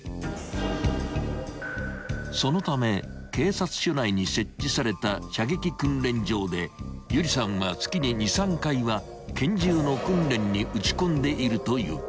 ［そのため警察署内に設置された射撃訓練場で有理さんは月に２３回は拳銃の訓練に打ち込んでいるという］